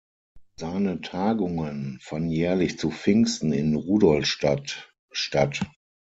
Seine Tagungen fanden jährlich zu Pfingsten in Rudolstadt statt.